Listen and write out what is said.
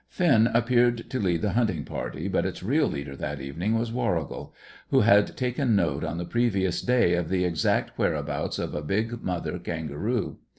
Finn appeared to lead the hunting party, but its real leader that evening was Warrigal, who had taken note on the previous day of the exact whereabouts of a big mother kangaroo.